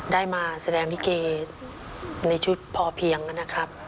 ได้มาแสดงลิเกในชุดพอเพียงนะครับ